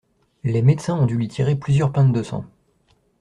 Les médecins ont dû lui tirer plusieurs pintes de sang.